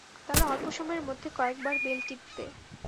তারা অল্পসময়ের মধ্যে কয়েক বার বেল টিপবে।